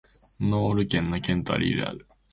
ノール県の県都はリールである